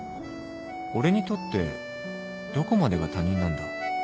俺にとってどこまでが他人なんだ？